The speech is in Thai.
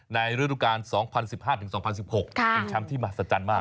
ในฤดูกาลสองพันสิบห้าถึงสองพันสิบหกค่ะเป็นช้ำที่มาสัจจันทร์มาก